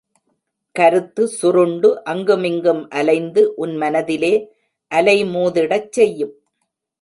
கருத்து சுருண்டு அங்குமிங்கும் அலைந்து உன் மனதிலே அலைமோதிடச் செய்யும்.